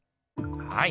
はい。